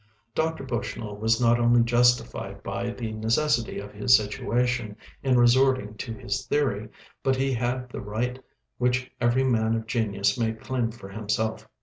Dr. Bushnell was not only justified by the necessity of his situation in resorting to his theory, but he had the right which every man of genius may claim for himself.